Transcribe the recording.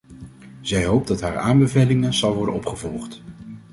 Zij hoopt dat haar aanbeveling zal worden opgevolgd.